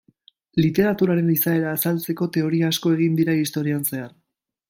Literaturaren izaera azaltzeko teoria asko egin dira historian zehar.